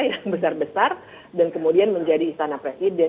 yang besar besar dan kemudian menjadi istana presiden